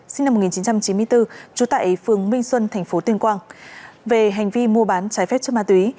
sinh năm một nghìn chín trăm chín mươi bốn trú tại phường minh xuân thành phố tuyên quang về hành vi mua bán trái phép cho ma túy